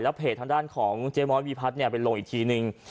เพจทางด้านของเจ๊ม้อยวีพัฒน์ไปลงอีกทีนึง